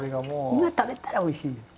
今食べたらおいしいのよ。